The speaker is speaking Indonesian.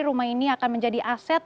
rumah ini akan menjadi aset